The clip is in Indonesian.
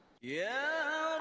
assalatu wassalamu alaikum